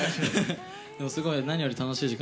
でもすごい何より楽しい時間でした。